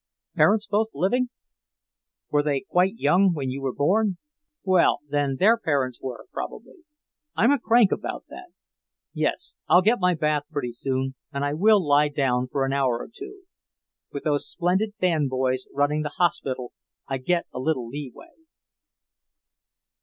"Parents both living? Were they quite young when you were born? Well, then their parents were, probably. I'm a crank about that. Yes, I'll get my bath pretty soon, and I will lie down for an hour or two. With those splendid band boys running the hospital, I get a little lee way."